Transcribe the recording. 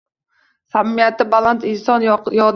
Samimiyati baland inson yodi